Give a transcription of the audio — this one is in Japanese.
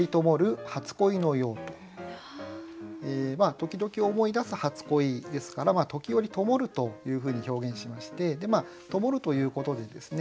時々思い出す初恋ですから「ときおり灯る」というふうに表現しまして「灯る」ということでですね